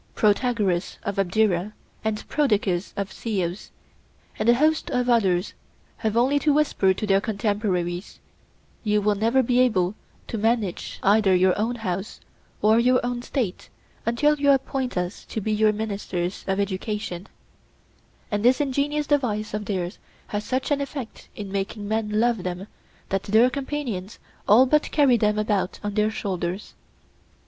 Protagoras of Abdera, and Prodicus of Ceos, and a host of others, have only to whisper to their contemporaries: 'You will never be able to manage either your own house or your own State until you appoint us to be your ministers of education'—and this ingenious device of theirs has such an effect in making men love them that their companions all but carry them about on their shoulders.